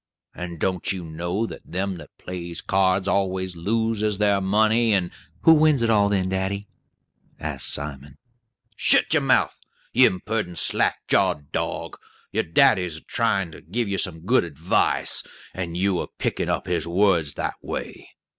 And don't you know that them that plays cards always loses their money, and " "Who wins it all, then, daddy?" asked Simon. "Shet your mouth, you imperdent, slack jawed dog! Your daddy's a tryin' to give you some good advice, and you a pickin' up his words that way.